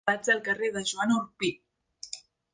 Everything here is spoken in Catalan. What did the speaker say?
Vaig al carrer de Joan Orpí.